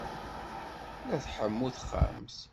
La tḥemmu texxamt.